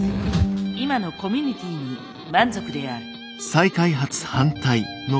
今のコミュニティーに満足である。